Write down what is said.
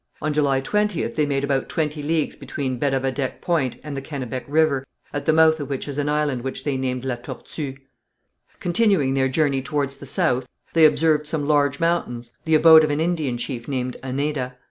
On July 20th they made about twenty leagues between Bedabedec Point and the Kennebec River, at the mouth of which is an island which they named La Tortue. Continuing their journey towards the south they observed some large mountains, the abode of an Indian chief named Aneda.